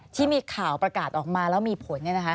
ที่มีข่าวประกาศออกมาแล้วมีผล